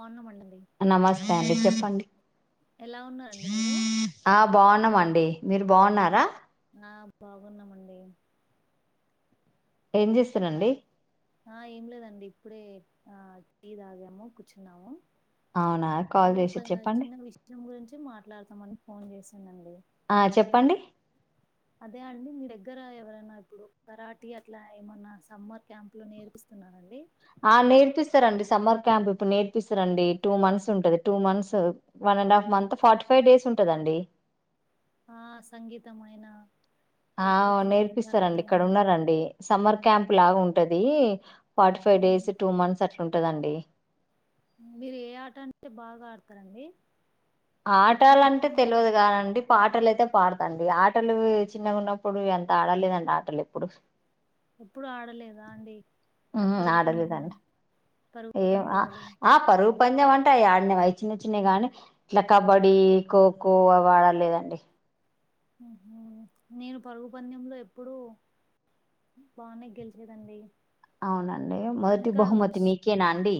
పన్నమండం నమస్తే అండి చెప్పండి ఎలా ఉన్నారండి మీరు న్నామ అండి మీరు బాగున్నారా ఆ బాగున్నామండి ఏం చేస్తానండి ఆ ఏం లేదండి ఇప్పుడే ఆ తీయ తాగాము కూర్చున్నాము. అవునా కాల్ చేసి చెప్పండి. వచ్చి మాట్లాడతామని ఫోన్ చేశానుండి ఆ చెప్పండి అదే అండి మీ దగ్గర ఎవరైనా ఇప్పుడు కరాఠీ అట్లా ఏమన్నా సమ్మర్ క్యాంప్ లో నేర్పిస్తున్నండి ఆ నేర్పిస్తారంండి సమ్మర్ క్యాంప్ ఇప్పుడు నేర్పిస్తారండి టూ మంత్స్ ఉంటది two months one and half month forty five days ఉంటదండి ఆ సంగీతం అయినా ఆ నేర్పిస్తారండి ఇక్కడ అని ఉన్నారండి సమ్మర్ క్యాంప్ లాగా ఉంటది forty five um, days two months అట్లాంట దండి మీరు ఏ ఆట అంటే బాగా ఆడతారండి మీకు ఆటలుంటే ఇష్టమైన తెలియదు ఆట కాదండి పాటలుయితే పాడతండి ఆటలు చిన్నగా ఉన్నప్పుడు ఎంత ఆడలేదండి ఆటలు ఎప్పుడు ఎప్పుడు ఆడలేదా అండి హ పరుగు పందెం నాడలిదం పరుగు ఏం పంద్యాలు ఆ పరు పందెం అంటే అవి ఆడినేవివి చిన్న చిన్నవి గానీ ఇట్లా కబడ్డీ ఖోఖో అవి ఆడాలలేదండి నేను పరుగు పందెంలో ఎప్పుడుూ బానే గెలిచేదండి అవునండి మొదటి ఇంకా బహుమతి మీకేనా అండి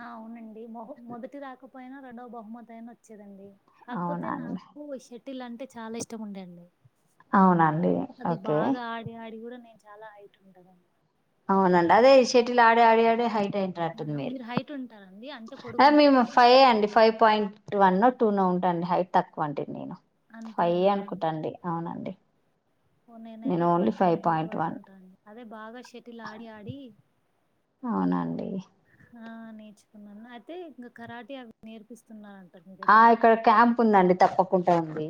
ఆ అవునండి మొ మొదటి దాక పోయినా రెండవ బహుమతి అయినా వచ్చేదండి కాకపోతే అవునండి నాకుూ వషే పటిల్ అంటే చాలా ఇష్టం ఉండే అండి అవునండి ఓకే ఆడి ఆడి గూడా నేను చాలా హైట్ ఉంటానండి అవునం అదే ఈ షటిల్ ఆడ ఆడి ఆడి హై ంది ఆ! మీరుద మీరు హైట్ ఉంటారండి? అంటే మేము పొడుగుంటారా మీరు? ఫైవ్ అండి five point one no two no ఉంటుండి హైట్ తక్కువ అంటడిది నేను ఫైవే అంతేనా? అనుకుంటాండి అవునండి నేను నేనైతే ఓన్లీ ఫైవ్ పాయింట్ ఎయిట్ వరకు వన్ ఉంటాడి అదే బాగా షటిలా ఆడి ఆడి అవునండి ఆ నేర్చుకున్నాను అయితే ఇంకా కరాటే అవి నేర్పిస్తున్నంట ఆ ఇక్కడ క్యాంప్ ఉందండి తప్పడా కుంటా ఉంది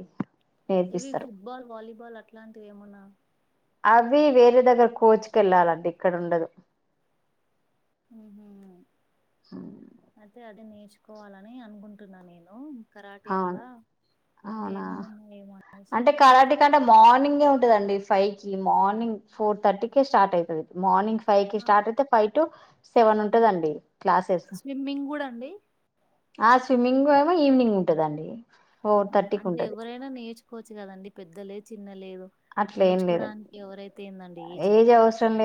ఇవి నేర్పిస్తారు ఫుట్‌బాల్ వాలీబాల్ అట్లాంటివి ఏమన్నా అవి వేరే దగ్గర కోచ్‌కి వెళ్ళాలండి ఇక్కడ ఉండదు ఊహు మే అది న ఎంచుకోవాలని అనుకుంటున్నా నేను కరాటీ అవును అట్లా అవునా ఇంకేమన్నా ఉన్నాయేమో అనేసి అంటే కరాటికంటే మార్నింగ్ ఉంటదండి ఫై కి మార్నింగ్ ఫోర్ థర్టీకే స్టార్ట్ అయితది మార్నింగ్ ఫైకి ఆ స్టార్ట్ అయితే ఫైటు సెవెన్ ఉంటదండి క్లాసెస్ స్విమ్మింగ్ కూడా అండి ఆ స్విమ్మింగ్ ఏమో ఈవినింగ్ ఉంటదండి ఫోర్ ఆ థర్టీకి అంటే ఉంటది ఎవరైనా నేర్చుకోవచ్చు కదండి పెద్ద లేదు చిన్న లేదు అట్లా ఏం లేదు నేర్చుకోవడానికి ఎవరైతే ఏందండి ఏజ్ ప్రకారం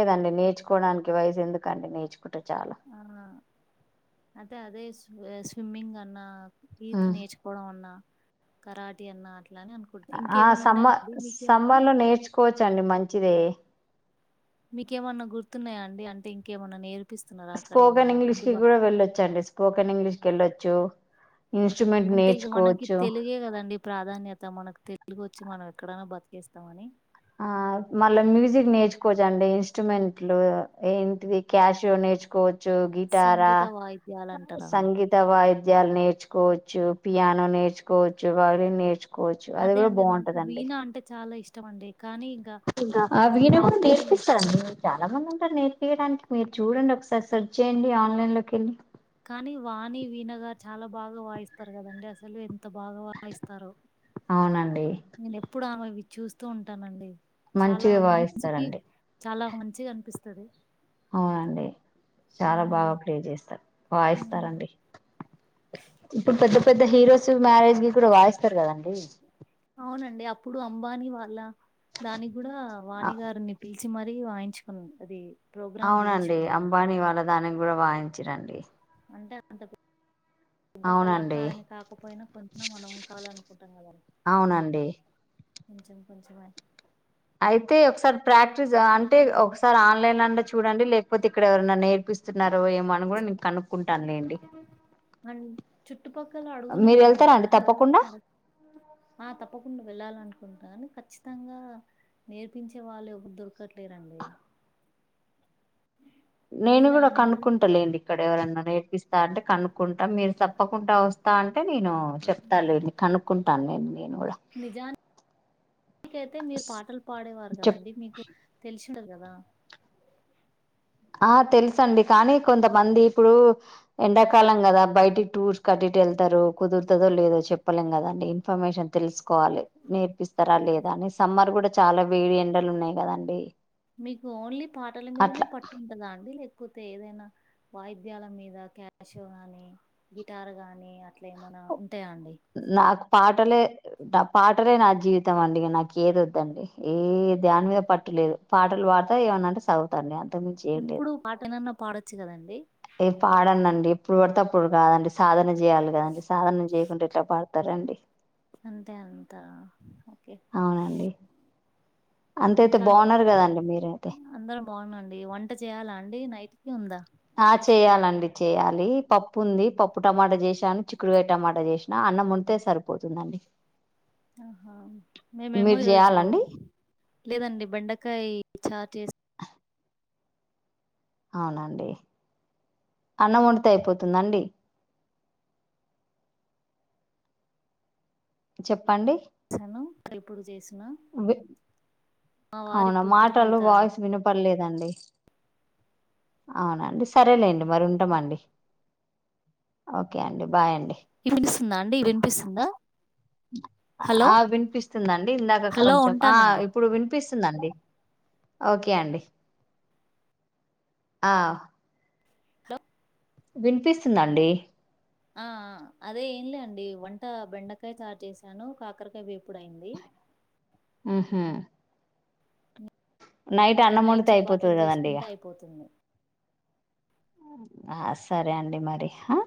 కోడానికి వయసు ఎందుకండి నేర్చుకో ఆ అదే అదే సు నువ్వే స్విమ్మింగ్ అన్న ఈత ఉమ్. నేర్చుకోవడం అన్నా కరాఠీ అన్నా అట్లే ఆ సమ్మ మీకేమన్నా సమ్మర్ లో నేర్చుకోవచ్చండి మంచిదే మీకేమన్నా గుర్తున్నాయా అండి అంటే ఇంకేమన్నా నేర్ స్పోకెన్ ఇంగ్లీష్ కి కూడా వెళ్ళొచ్చండి స్పోకెన్ ఇంగ్లీష్ కేల్లచ్చు అంటే ఇగా మనకి తెలుగే కదండి ప్రాధాన్యత మనకు తె తెలుగు వచ్చి మనం ఎక్కడైనా బతికేస్తామని ఆ మళ్ళ మ్యూజిక్ నేర్చుకోవచ్చండి ఇస్ ఇన్స్టుమెంట్లు ఏంటిది క్యాష్ నేర్చుకోవ చ్చు గిటార సంగీత వాయిద్యాలంటారా? సంగీత వాయి ధ్యాలూ నేర్చుకోవచ్చు పియానో నేర్చుకోవచ్చు వయోలిన్ నేర్చు అదే అండి నాకు వీనా అంటే చాలా ఇష్ ఇష్టమండి కానీ ఇంక ఇంకా ఆ అ వీణ కూడా వీణకి నేర్పిస్తారు చాలా మంది ఉంటరు నేర్పియడానికి మీరు చూడండి ఒకసారి సెర్చ్ చేయండి ఆన్లైన్ లోకి కేళ్ళి కానీ వాణి వీనగా చాలా బాగా వాయిస్తారు కదండి అసలు ఎంత బాగా వాయిస్తారో అవునం నేను ఎప్పుడు ఆమేయు చూస్తూ ఉంటానండి చాలా మంచిగా మనసుకి వాయిస్తారండి చాలా మంచిగా అనిపిస్తది అవునండి చాలా అవునండి. బాగా ప్లే చేస్తారు హ్మ్. వాయిస్తారండి ఇప్పుడు పెద్ద పెద్ద హీరోస్ మ్యారేజ్ కి కూడా వాయిస్తారు కదండి అవునండి అప్పుడు అంబానీ వాళ్ళ దానికి కూడా వాణిగారిని పి మచ్చి మరీ వాయించుకుని అది ప్రోగ్రామ్ అవునండి జేయించుకున్నారు. అంబానీ వాళ్ళ దానికి కూడా వాయిించ రండి అంటే అంత పెద్ద అవునండి కళాకారిని కాకపోయినా కొంచె మనం కాలనుకు అవునండి కొంచెం కొంచంచమ అయితే ఒకసారి ప్రాక్టీస్ అంటే అదే ఒకసారి ఆన్లైన్ అండ చూడండి లేకపోతే ఇక్కడ ఎవరైనా నేర్పిస్తున్నారు అరవ ఏమ అని కూడా నేను కనుక్కుంటాను నండి చెప్పు చుట్టుపక్కల అడుగుూనే ఉన్నాండి కానీ తప్పకుండా ఎ ఆ తప్పకుండా వెళ్ళాలనుకుంటా కాని ఖచ్చితంగా నేర్పించే వాళ్ళు ఎరు దొరకట్లేరండి నేను వీణ కూడా అనేది కనుక్కుంటాలేండి ఇక్కడ ఎవరన్నా నేర్పిస్తా అంటే కనుక్కుంటాం మీరు తప్పకుండా వస్తా అంటే నేను హ్మ్. చెప్తాని కనుక్కుంటాను నేను ను కూడా కూడా మీకైతే మీరు పాటలు పాడేవారు చెప్ కదండి మీకు తెలిసి దదా ఆ తెలుస అండి కానీ కొంతమంది ఇప్పుడు ఎండాకాలం కదా బయటికి టూర్స్ కట్టిటు వెళ్తారు కుదురుతుందో లేదో చెప్పలేం కదా అండి ఇన్ఫర్మేషన్ తెలుసుకో కోవాలి నేర్పిస్తారా లేదా అని సమ్మర్ కూడా చాలా వేడి ఎండలు ఉన్నాయి కదండి మీకు ఓన్లీ పాటల మీదనే అట్లా పట్టు ఉంటదా అండి అది లేకపోతే ఏదైనా వాయిద్యాల మీద క్యాషో గాని గిటార్ గానీ అట్లా ఏమనా ఉ నాకు పాట్ పాటలే పాటలే నా జీవితం అండి నాకు ఏది వద్దండి ఏ ధ్యాని మీద పట్టులేదు పాటలు పాడతా ఏమన్నాంటే చదువుతండి అ ఎప్పుడు పాటైనన్నా పాడొచ్చు కదండి ఏ పాడనండి ఇప్పుడు పడితే అప్పుడు కాదండి సాధన చేయాలి కదండి సాధనం చేయకుండా ఎట్లా పాడు తారండి అంటే అంత ఓకే. అవునండి అంతయితే ఇంకా అండి బాగున్నారు కదండి మీరైతే అందరం బాగుందండి వంట చేయాలా అండి నైట్ ఉందా ఆ చేయాలండి చేయ్యాలి పప్పు ఉంది పప్పు టమాటా చేసాను చిక్కుడుకాయ టమాటా చేసినా అన్నం ఉంటే సరిపోతుందండి మేము ఏమో మీరు ఈ రోజు చేయాలండి లేదండి బెండక్ కై చాట్ చెస్ అన్నం వండితే అయిపోతుందండి చెప్పండి ఎప్పుడు చేసినా వి మా వారు అవునా ఇప్పుడు [unintelligible] మాటలు వెళ్తారండి వాయిస్ వినపడలేదండి అవునండి సరేలేండి మరి ఉంటామండి ఓకే అండి బాయ్ అండి వినిస్తుందా అండి వినిపిస్తుందా హలో! ఆ వినిపిస్తుందండి ఇందాక హలో! కొంచెం ఆ ఉంటానండి. ఇప్పుడు వినిపిస్ తుందండి ఓకే అండి ఆ విన్పిస్తుందండి ఆ ఆ అదే ఏంలే అండి వంట బెండకాయ కా చేశాను కాకరకాయ వేపుడయ్యింది ఊహూ నైట్ వండితే అయిపోతది చపాతీలు కదండి ఇగ చేసుకుంటే ఐపోతుంది ఆ సరే అండి మరి హా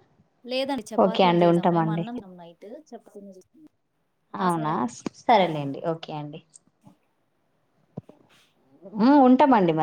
లేదండి చపాతీలు చేసాం మేము అన్నం [unintelligible] నైట్ [inaudible] చేస్తాం సరే అవునా అండి ఉంటాను సరేలేండి ఓకే అండి ఓకే ఆ ఉంటామండి మ